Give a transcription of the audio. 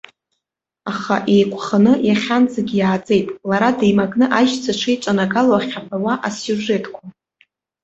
Аха еиқәханы иахьанӡагьы иааӡеит лара деимакны аишьцәа шеиҿанагало ахьаҳәауа асиужетқәа.